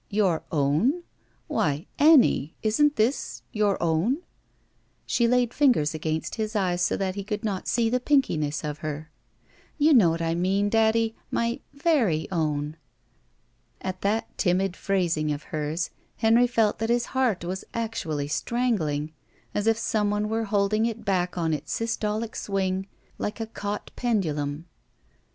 '' Your own ? Why, Annie, isn't this — ^your own ?'' She laid fingers against his eyes so that he could not see the pinkiness of her. "You know what I mean, daddy — ^my — ^very — own." At that timid phrasing of hers Henry felt that his heart was actually strangling, as if some one were holding it back on its systolic swing, Uke a caught pendulum.